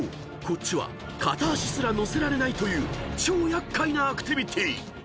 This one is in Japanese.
こっちは片足すら乗せられないという超厄介なアクティビティ］